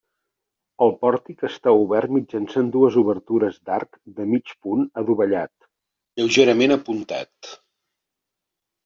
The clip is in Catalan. El pòrtic està obert mitjançant dues obertures d'arc de mig punt adovellat, lleugerament apuntat.